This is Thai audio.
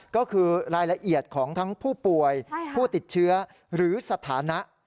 ก็คือรายละเอียดของทั้งผู้ป่วยผู้ติดเชื้อหรือสถานะ